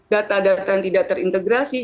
data data yang tidak terintegrasi